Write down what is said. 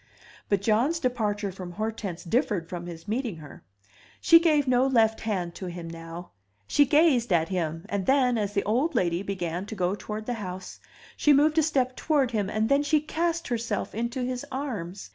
But John's departure from Hortense differed from his meeting her. She gave no left hand to him now; she gazed at him, and then, as the old lady began to go toward the house, she moved a step toward him, and then she cast herself into his arms!